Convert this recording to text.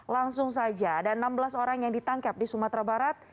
langsung saja ada enam belas orang yang ditangkap di sumatera barat